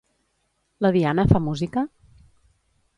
La Diana fa música?